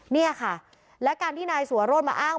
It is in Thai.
เนี่ยค่ะและการที่นายสัวโรธมาอ้าง